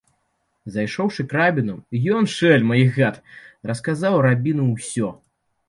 Зайшоўшы к рабіну, ён, шэльма і гад, расказаў рабіну ўсё.